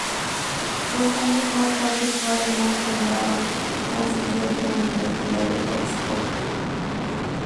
Dos años más tarde fue además nombrado canciller de la Universidad de Oxford.